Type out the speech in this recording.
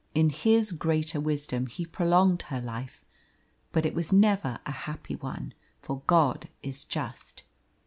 In His greater wisdom He prolonged her life, but it was never a happy one, for God is just.